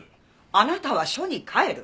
あなたは署に帰る。